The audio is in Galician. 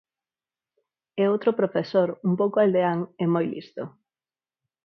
E outro profesor un pouco aldeán e moi listo.